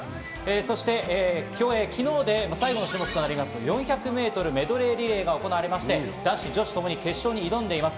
そして競泳、昨日で最後の種目となる４００ｍメドレーリレーが行われ、男子女子とも決勝に進んでいます。